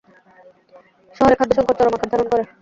শহরে খাদ্য-সংকট চরম আকার ধারণ করে।